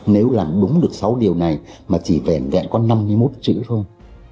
nếu làm đúng được sáu điều này mà chỉ vẻn vẹn có năm hay một chữ thôi